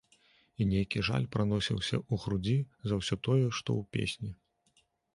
І нейкі жаль праносіўся ў грудзі за ўсё тое, што ў песні.